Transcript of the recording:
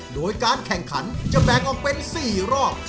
โดยการแข่งขันจะแบ่งออกเป็น๔รอบ